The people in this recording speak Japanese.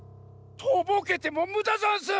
とぼけてもむだざんす！